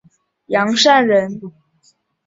杨善人。